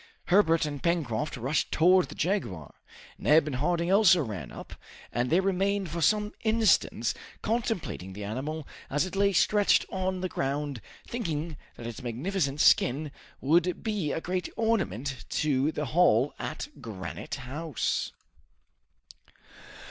Herbert and Pencroft rushed towards the jaguar. Neb and Harding also ran up, and they remained for some instants contemplating the animal as it lay stretched on the ground, thinking that its magnificent skin would be a great ornament to the hall at Granite House.